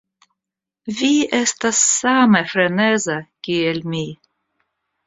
Vi estas same freneza, kiel mi.